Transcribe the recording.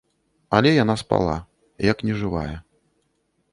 Але яна спала, як нежывая.